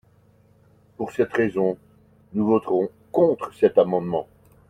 Pour cette raison, nous voterons contre cet amendement.